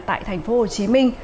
tại thành phố hồ chí minh